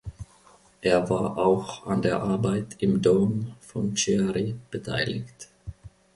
Er war auch an der Arbeit im Dom von Chiari beteiligt.